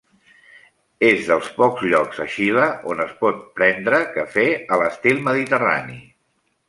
És dels pocs llocs a Xile on es pot prendre cafè a l'estil mediterrani.